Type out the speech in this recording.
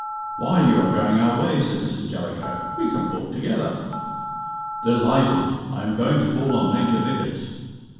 "Why, you are going our way," said Mrs. Jellicoe. "We can walk together." "Delighted! I am going to call on Major Vickers."